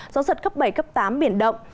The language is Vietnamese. gió giật cấp bảy cấp tám biển động